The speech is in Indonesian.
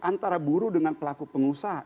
antara buruh dengan pelaku pengusaha